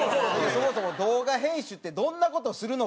そもそも動画編集ってどんな事するのか。